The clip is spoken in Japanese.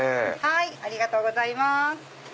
ありがとうございます。